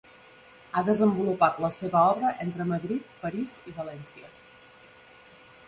Ha desenvolupat la seva obra entre Madrid, París i València.